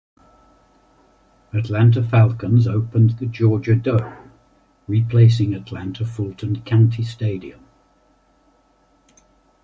Atlanta Falcons opened the Georgia Dome, replacing Atlanta-Fulton County Stadium.